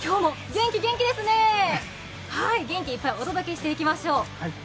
元気いっぱいお届けしていきましょう。